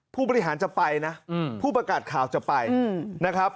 ผู้บริหารจะไปนะผู้ประกาศข่าวจะไปนะครับ